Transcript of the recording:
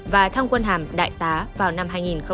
và thăng quân hàm đại tá vào năm hai nghìn một